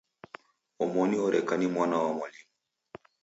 Omoni oreka ni mwana wa mwalimu.